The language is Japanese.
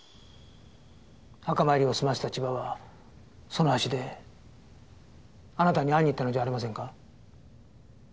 墓参りをすませた千葉はその足であなたに会いにいったのじゃありませんか？